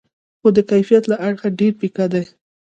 خو د کیفیت له اړخه ډېر پیکه دي.